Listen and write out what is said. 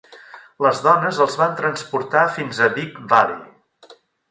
Les dones els van transportar fins a Big Valley.